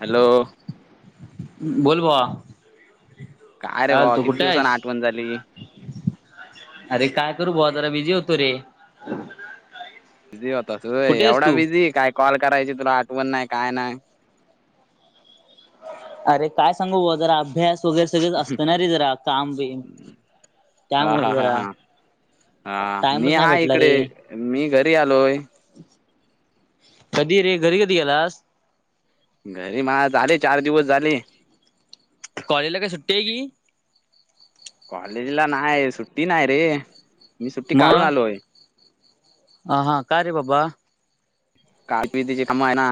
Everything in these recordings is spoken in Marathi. हॅलो बोल भावा काय रे भावा तू किती कुठे दिवसांन आहेस आठवण झाली. अरे काय करू भावा जरा बिझी होतो रे बिझी होतास होय कुठे आहेस एवढा तू बिझी काय कॉल करायची तुला आठवण नाही काय नाय. अरे, काय सांगू भावा जरा अभ्यास वगैरे सगळेच असत ना रे जरा काम बीम हा त्यामुळे हा हा जरा हा हा मी टाइमच नाही हा भेटला रे इकडे मी घरी आलोय. कधी रे घरी कधी गेलास? घरी मला झाले चार दिवस झाले. कॉलेजला काय सुट्टी आहे की कॉलेजला नाही सुट्टी नाही रे मी सुट्टी काढून आलोय. ह हा का रे बाबा काल पिती ची काम आहे ना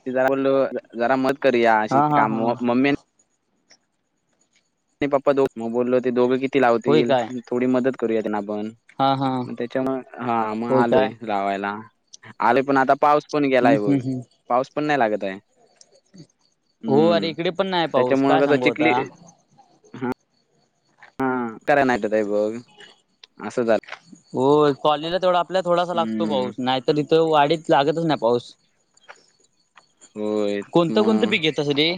ते जरा बोललो जरा मत करुया अशी हा हा काम हा म मेन आणि पप्पा दो मग बोललो ते दोघं किती होय लावतील काय थोडी मदत करूया त्यांना आपण. हा हा मग त्यांच्यामुळे हा मग होय काय आलोय लावायला आले पण आता पाऊस पण हम्म गेलाय बघ हम्म हम्म पाऊस पण नाही लागत आहे हो अरे हम्म इकडे पण नाही पाऊस काय त्याच्यामुळ कसं सांगू चिखली आता हा कराय नाततयबो असं झालंय हो कॉलनीला तेवढा आपला थोडासा लागतो हम्म पाऊस नाही तर इथं वाडीत लागतच नाही पाऊस होय कोणतं कोणतं मग पीक येत तसली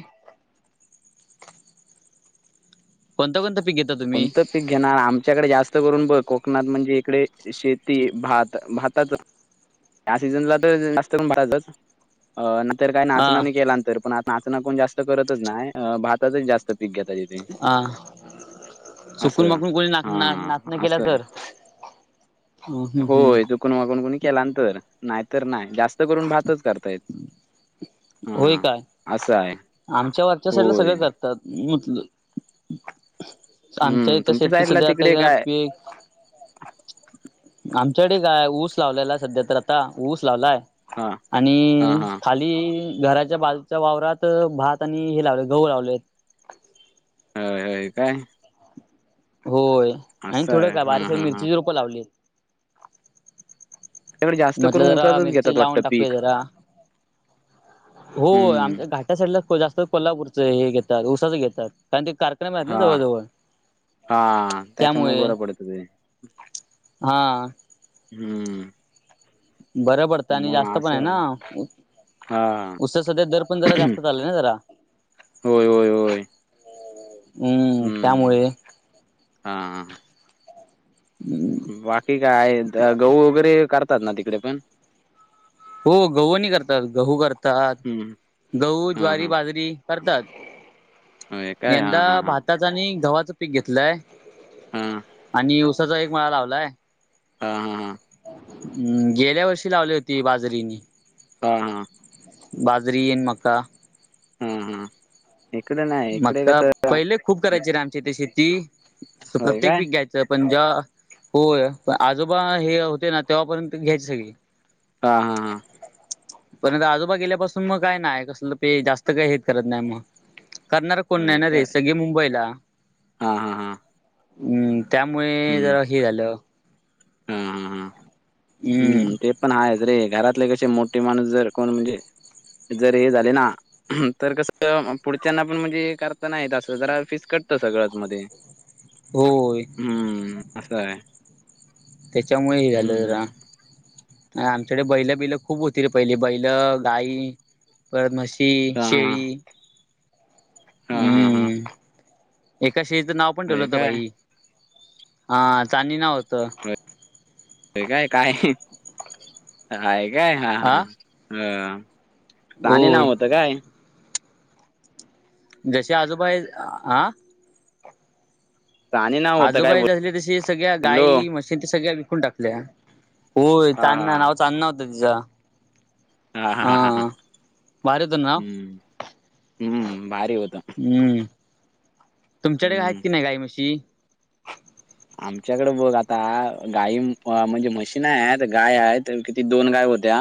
कोणतं कोणतं पीक घेता तुम्ही कोणतं पीक घेणार आमच्याकडे जास्त करून बघ कोकणात म्हणजे इकडे शेती भात भातात या सीजनला तर जास्त पण [inaudible] नंतर काय हा नाचण केला नंतर पण आ नाचणा कोण जास्त करतच नाय भातातच जास्त पीक घेतात इथे अहं चुकून असं. माकून कोणी ना हा नाचणं केला असं तर आहे ह् हम्म हम्म कोणवा कोणी कोणी केलानंतर नाहीतर नाही जास्त करून भातच करतायेत होय हा काय असं हाय आमच्या वरच्या साईडला सगळं करतात म्हटलं आमच्या हं, इथं तुमच्या शेती साईडला सध्या तिकडे आता काय पिक आमच्याकडे काय ऊस लावलेला आहे सध्या तर आता ऊस लावलाय हां, आणि हां, हां. खाली ती आणि घराच्या बाजूच्या वावरात भात आणि हे लावलेत गहू लावलेत. हय हय काय होय आणि असं थोडं आहे. का [inaudible] हां, हां, हां. मिरचीची रोपं लावली. तुमच्याकडे जास्त म्हटलं करून जरा उसाचच मिरची घेतात लावून वाटतं टाकूया पीक जरा हो हं. आमच्या घाट्या साईडला जास्त कोल्हापूरचंं हे घेतात ऊसाचं घेतात कारण ते कार [inaudible] आहेत ना जवळ हां, जवळ हां. त्याच्यामुळे त्यामुळे बरं पडतं ते. हा हम्म बरं पडतं आणि जास्त पण आहे ना हां. ऊसं सध्या दर पण जरा जास्त चाललंय ना जरा होय होय होय हम्म त्यामुळे हम्म हां [unintelligible] बाकी काय व गहू वगैरे करतात ना तिकडे पण हो गहू आणि करतात गहू करतात हं. गहू, हां, ज्वारी, हां. बाजरी. करतात होय काय? यंदा हां, हां, हां. भाताचं आणि गव्हाचं पीक घेतलंय. हां. आणि ऊसाचा एक मळा लावलाय. हा हा हा ह गेल्या वर्षी लावली होती बाजरी मी हा हा बाजरी अन् मक्का हं हा इकडे नाय मक्का पहिले खूप करायचे रे आमच्या इथे शेती तर होय प्रत्येक काय पीक घ्यायचे पण जेव्हा होय पण आजोबा हे होते ना तेव्हापर्यंत घ्यायची सगळी हा हा हा पण आता आजोबा गेल्यापासून मग काय नाय कसलं ते जास्त काही हेच करत नाही मग. करणारं कोण नाही होय ना काय रे सगळे मुंबईला. हा हा हा हूं त्यामुळे हम्म जरा हे झालं. हा हा हां हम पण हायच रे घरातले कसे मोठे माणूस जर कोण म्हणजे जर हे झाले ना? तर कसं पुढच्यांना पण म्हणजे करता नाही येत असं जरा फीसकटतं सगळंच मध्ये होय. हमं असं हाय. त्याच्यामुळे हे झालं जरा. ह आमच्याकडे बैल बिल खूप होती रे पहिली बैलं गाई परत म्हशी, हा हा शेळी. हा हा हा हंममम एका शेळीचे नाव पण ठेवलं होय होतं काय बाई हा चांणी नाव होतं. होय काय काय ह काय हा हा ह. राणी नाव होय होतं काय? जसे आजोबा हात आ- साने नाव होतं आजोबा काय हे झाले तशी सगळ्या बोललो गायी म्हशी. ते सगळ्या विकून टाकल्या होय हा चादणां हा नाव चादणां होतं तिचां. हा आ हा हा हा भारी होताय नाव हम्म हम्म भारी होतं. हम्म तुमच्याकडे हम्म आहेत की नाही गाई म्हशी? आमच्याकडे बघ आता गाय म्हणजे मशीन आहेत गाय आहेत. ती दोन गाय होत्या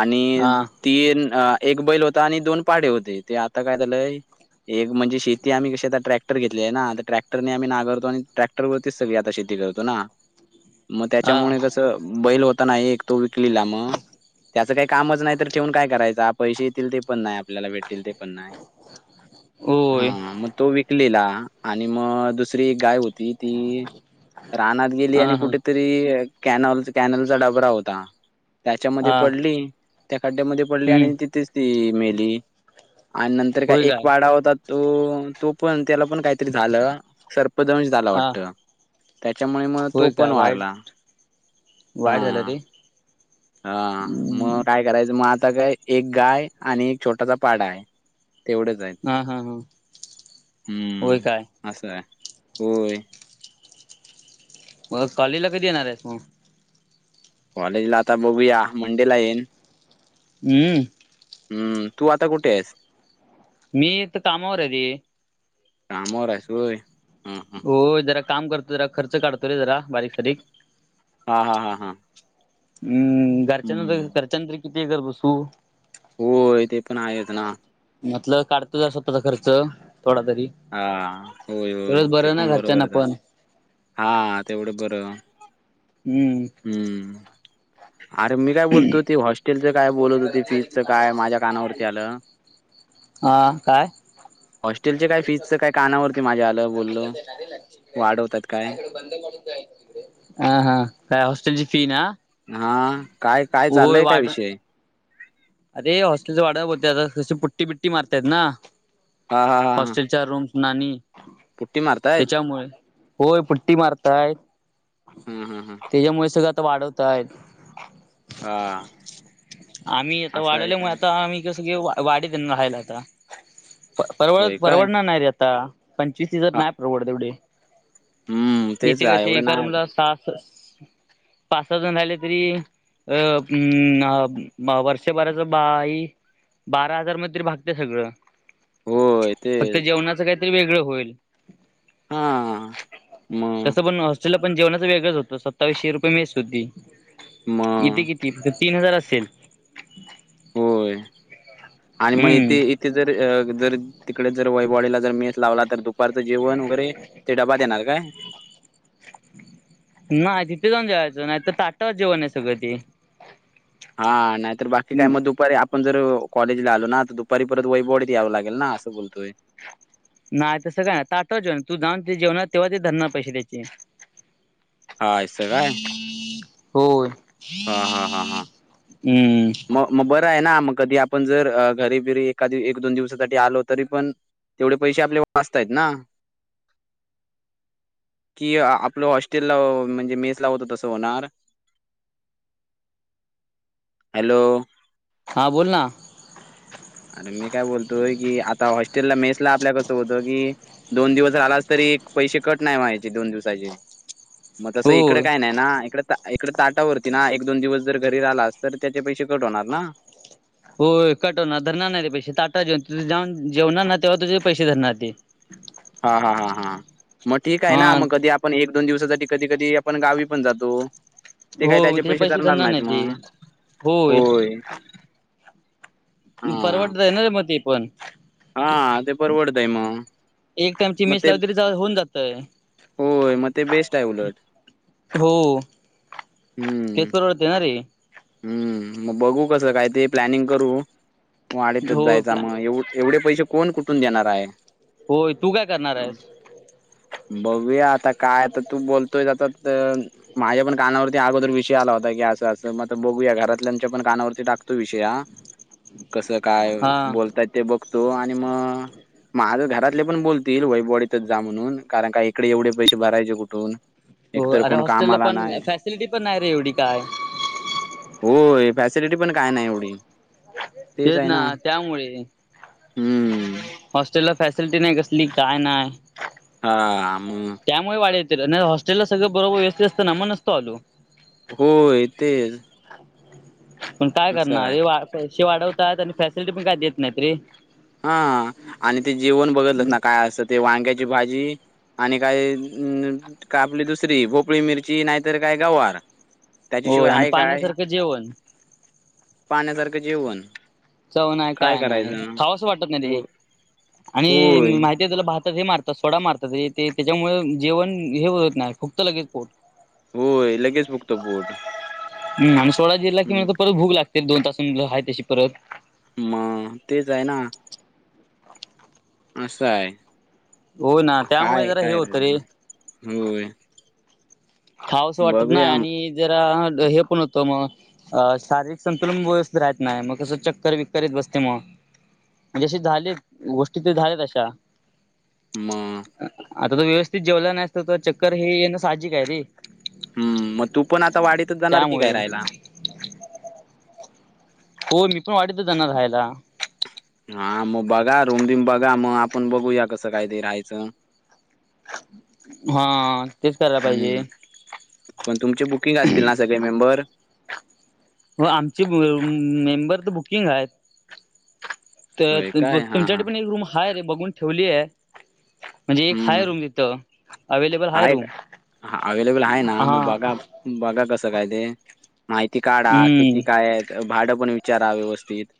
आणि हा तीन एक बैल होता आणि दोन पाडे होते ते आता काय झालंय. एक म्हणजे शेती आम्ही कशी आता ट्रॅक्टर घेतलेय ना त्या ट्रॅक्रने आम्ही नागारतो आणि ट्रॅक्टर वरतीच सगळी आता शेती करतो ना मग हा त्याच्यामुळे कसं अ बैल होता ना एक तो विकलीला मग. त्याचं काही कामच नाही तर ठेवून काय करायचं आप पैसे येतील ते पण नाय आपल्याला भेटतील ते पण नाय. होय हा मग तो विकलेला आणि मग दुसरी एक गाय होती. ती ती रानात गेली हा आणि हा कुठे तरी कॅनल कॅनलचा डबरा होता त्याच्यामध्ये हा पडली त्या खड्ड्यामध्ये पडली हम्म आणि तिथेच ती मेली, आणि नंतर काय एक वाडा होता तो तो पण त्याला पण काहीतरी झालं सर्पदोष झाला हा वाटत? त्याच्यामुळे मग तो होय काय पण वाईट वारला हा वाईट झालं रे हा मग हम्म, काय करायचं मग आता काय एक गाय आणि एक छोटासा पाडा हाय तेवढंच. हा हा हा होय हम्म काय असंय होय मग कॉलेजला कधी येणार आहेस मग. कॉलेज ला आता बघूया मंडे ला येईन. हम्म हम्म तू आता कुठे आहेस? मी आता कामावर आहे रे. कामावर आहेस होय हा हा हो, जरा काम करतोय जरा खर्च काढतोय रे जरा बारीक सारीक. हा हा हा हा. हम हम्म घरच्यानं, घरच्यानं किती हे करत बसू. होय, तेे पण आहेच ना. म्हटलं काढतो जसा तुजा खर्च थोडा तरी. हां, होय, होय तेवढंच ते बरं ना पण घरच्यांना बरोबरच आहे. पण हां तेवढं बर हम्म. हम्म. अरे, मी काय बोलतोय ते हॉस्टेलच काय बोलत होती ती? फीजच काय? माझ्या कानावरती आलं. [unintelligible] हां, काय? हॉस्टेलच्या काय? फीजच काय? कानावरती माझ्या आलं बोललो. वाढवतात काय? [unintelligible] हां, हा काय? हॉस्टेलची फी ना. हां, काय काय होय चाललंय काय वाढ विषय? अरे! हॉस्टेलचं भाडं बोलत्यात. अशी पुट्टी बि्टी मारत्यात ना. हा हा हा हा. चार रूमसना आणि पुट्टी मारतायत त्याच्यामुळे होय पुट्टी मारतायत. हम हम हम. त्याच्यामुळे सगळंता वाढवत आहेत. हां, आम्ही आता असं आहे वाढवल्यामुळे काय? आता आम्ही कसं घेऊ? वाडीत हा ना राहायला आता. होय परवडत काय हा परवडणार नाही रे आता. पंचवीस सीझर नाही परवड एवढे. हम्म तेच इथे आहे कशी एवढं एका नाही रूमला सात पाच सहा जण राहिले तरी, [unintelligible] शे बराच बाई, बारा हजार मध्ये तरी भागतय सगळं. होय फक्त तेच जेवणाचं काहीतरी वेगळं होईल. हां. मग तसं पण अस चल पण जेवणाच वेगळंच होतं, सत्तावीसशे रुपये मेस होती इथे मग किती तीन हजार असेल. होय, आणि मग हम्म ईथे जर, जर तिकडे जर वैभववाडीला जर मेस लावला तर तू परत जेवण वगैरे ते डबा देणार काय? नाही तिथे जाऊन जेवायचं, नाही तर ताटाव जेवण आहे सगळं ते. हा, नाही तर बाकी काय मग दुपारी आप आपण जर कॉलेजला आलो ना तर दुपारी परत वैभव वाडीत यावं लागेल ना, असं बोलतोय. नाय तसं काय? तू जाऊन ते जेवणार तेव्हा ते धरणार पैसे त्याचे. हा असं काय [unintelligible] होय. हा, हा, हा, हा हम्म म मग बरं आहे ना. मग कधी आपण जर घरी बिरी एखादी एक दोन दिवसासाठी आलो तरी पण तेवढे पैसे आपले वाचतायत ना. [inaudible] कि आपलं हॉस्टेल ला म्हणजे मेस ला होतं तस होणार? हॅलो, हां, बोल ना. आणि मी काय बोलतोय, की आता हॉस्टेल ला मेस ला आपल्या कसं होतं की दोन दिवस आलास तरी, एक पैसे कट नाही व्हायचे दोन दिवसाचे. मग तसं इकडे होय काय नाही ना इकडे इकडे ताटावरती ना, एक दोन दिवस जर घरी राहिलास तर त्याचे पैसे कट होणार ना. होय. कटवणार धरणार नाही ते पैसे ताटा जेऊन तुझ जाऊन जेवणार ना तेव्हा तुझे पैसे धरणार ते. हा हा हा हा मग ठीक आहे ना हा मग कधी पण एक दोन दिवसासाठी कधी कधी आपण गावी पण जातो. ते काय त्याचे पैसे धरणार नाहीत मग, होय. हा परवडत आहे ना रे मग ते पण. हा ते परवडतय मग एक टामची मग मेस ते लावली तरी होऊन जातय. होय मग ते बेस्ट आहे उलट. हो हम्म तेच परवडते ना रे, हम्म मग बघू कसं काय ते प्लॅनिंग करू वाढेतच हो जायचा मग एवढ एवढे पैसे कोण कुठून देणार आहे. होय तू काय करणार आहेस? बघूया आता काय आता, तू बोलतोय आता माझ्या पण कानावरती अगोदर विषय आला होता, की असं असं म बघूया घरातल्याच्या पण कानावरती टाकतो विषय हा, कस काय हा बोलताय ते बघतो आणि मग माझं घरातले पण बोलतील वईट बॉडीतच जा म्हणून, कारण काय इकडे एवढे पैसे भरायचे कुठून. एकतर कोण कामाला नाही. फिटी पण नाही रे एवढी काय. होय फॅसिलिटी पण काय नाही एवढी. तेच आहे ना हम्म. हॉस्टेलला फॅसिलिटी नाही, कसली काय नाही. हा म त्यामुळे वाढ येतील आणि हॉस्टेलला सगळं बरोबर व्यस्थ असं ना मग नसतो आलो. होय तेच. पण काय असं करणार. आहे. हे वा पैसे वाढवतात आणि फॅसिलिटी पण काय देत नाहीत रे. हा आणि ते जेवण बघितलंस ना काय असतं, ते वांग्याची भाजी आणि काय अ आपली दुसरी भोपळी मिरची नाहीतर, काय गवार. हो त्याच्याशिवाय आणि हाय काय, पाण्यासारखं जेवण पाण्यासारखं जेवण चव ना काय नाही खावसं वाटत नाही रे. हो- आणि होय माहिती आहे त्याला भातात हे मारतात, सोडा मारतात ते त्याच्यामुळे जेवण हे बोलत नाही. फुगत लगेच पोट, होय लगेच फुगतं पोट आणि सोडा जिरला की हम्म, मग परत भूक लागते दोन तासां हाय् तशी परत मग तेच आहे ना. असं आहे. हो ना त्यामुळे काय जरा हे काय होतं रे. राहि होय. खावंसं वाटत नाही बघूया आणि जरा हे पण होतं मग अ शारीरिक संतुलन व्यवस्थ राहत नाही, मग कसं चक्कर विकक येत बसते मग म्हणजे ज झालेत गोष्टी ते झाल्यात अशा मग. आता तो व्यवस्थित जेवला नाहीस तर चक्कर हे येन साजिक आहे. हम्म मग तू पण आता वाढीतच जाणार की त्यामुळे काय राहायला. हो मी पण वाडी तच जाणार हो राहयला. हा मग बघा रूम बीम बघा, मग आपण बघूया कसं कायत राहायचं. हा तेच करायला पाहिजे. हम्म पण तुमचे बुकिंग असतील ना सगळे मेंबर हो आमचे मेंबर तर बुकिंग आहेत. तर होय काय हां तुमच्यासाठी हां पण एक रूम हाय रे बघून ठेवलीय म्हणजे एक हाय रूम इथं हाय का हा अवेलेबल आहे, ना हा मग बघा बघा कसं काय ते माहिती काढा किती हम्म काय आहेत, भाडं पण विचारा व्यवस्थित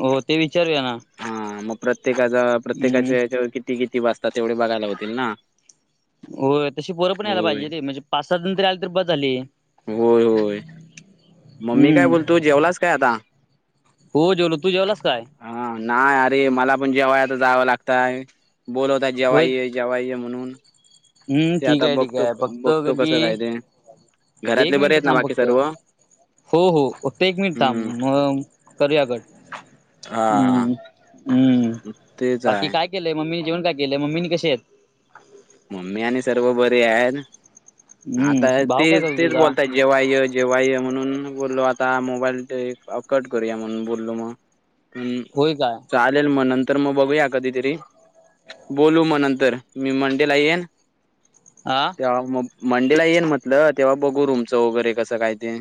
हो ते विचारूया ना हा मग प्रत्येकाचा हम्म प्रत्येकाच्या याच्यावर कि किती किती बसतात तेवढे बघायला होतील ना. होय तशी पोरं पण यायला होय पाहिजे रे म्हणजे पाच सात जण जरी आले तरी बस झाली. म मी काय हम्म बोलतो, जेवलास काय आता? हो जेवलो तू जेवलास काय हा नाही अरे मला पण जेवाय आता जावं लागतंय बोलवता होय जेवाय ये जेवाय य म्हणून हम्म ते ठीक आता आहे ठीक बघतो आहे फक्त बघतो कस कधी काय ते एक घरातले बरे मिनिट आहेत ना थांब बाकी फक्त सर्व हो हो हो एक मिनिट थांब हम्म मग करूया कट, हा हम् हम्म. तेच बाकी आहे काय केलंय मम्मीनी जेवण काय केलंय मम्मीनी कसे आहेत. मम्मी आणि सर्व बरे आहेत आता हम्म ते भाऊ काय करतो तेच तुझा बोलतायेत जेवाय ये जेवाय ये म्हणून बोललो आता मोबाईल ते कट करूया म्हणून बोललो मग हम होय काय. चालेल म नंतर म बघूया कधीतरी, बोलू म नंतर मी म्हण ला येन [unintelligible] आ? तेव्हा मग मंडेला येईन म्हटलं तेव्हा बघू रुमचं वगैरे कसं काय ते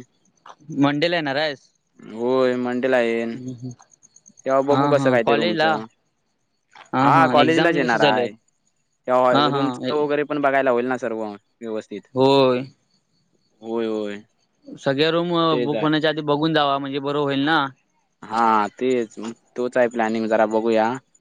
मंडेला येणार आहेस होय मंडेला येईन तेव्हा बघू हा कसं हा काय ते कॉलेजला रूमचं हा एक्झाम कॉलेजलाच येणार कशी चालू आहे आहेत तेव्हा हा हा रूमच वरे ते पण बघायला होईल ना सर्व व्यवस्थित होय. होय होय सगळ्या रूम तेच बुक आहे. होण्याच्या आधी बघून जावा, म्हणजे बर होईल ना. हा तेच तोच आहे प्लॅनिंग जरा बघूया